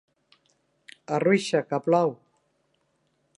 Arruixa, que plou!